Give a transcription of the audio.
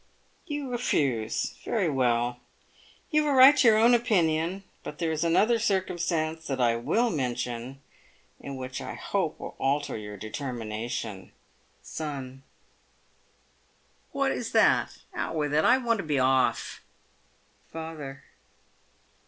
You refuse. Very well ; you have a right to your own opinion. But there is another circumstance that I will mention, and which I hope will alter your determination. Son. What is that ? Out with it, I want to be off. Father.